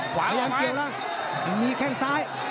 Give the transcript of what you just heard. ขยับเกี่ยวล่างยังมีแค่งซ้าย